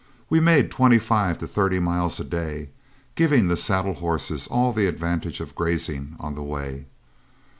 We made twenty five to thirty miles a day, giving the saddle horses all the advantage of grazing on the way.